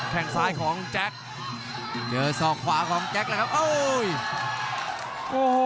แข่งซ้ายของแจ็คเจอสอกขวาของแจ็คแล้วครับโอ้โห